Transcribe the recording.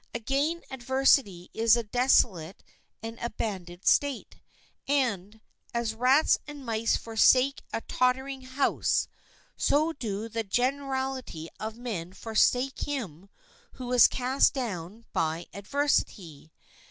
Again, adversity is a desolate and abandoned state, and, as rats and mice forsake a tottering house, so do the generality of men forsake him who is cast down by adversity.